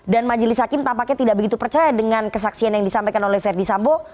dan majelis hakim tampaknya tidak begitu percaya dengan kesaksian yang disampaikan oleh verdi sambo